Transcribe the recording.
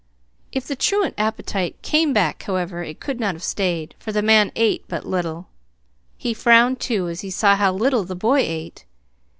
If the truant appetite "came back," however, it could not have stayed; for the man ate but little. He frowned, too, as he saw how little the boy ate.